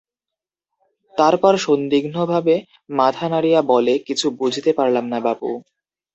তারপর সন্দিগ্ধভাবে মাথা নাড়িয়া বলে, কিছু বুঝতে পারলাম না বাপু।